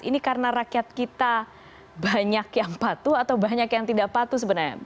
ini karena rakyat kita banyak yang patuh atau banyak yang tidak patuh sebenarnya